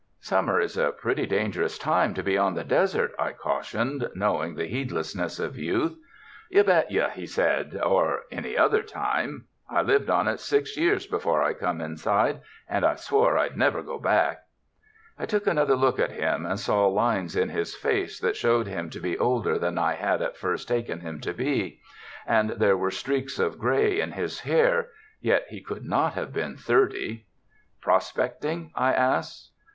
"Summer is a pretty dangerous time to be on the desert," I cautioned, knowing the heedlessness of youth. "You bet you," he said, "or any other time. I lived on it six years before I come inside, and I swore I'd never go back." I took another look at him and saw lines in his face that showed him to be older than I had at first taken him to be. And there were streaks of gray in his hair, yet he could not have been thirty. "Prospecting?" I asked.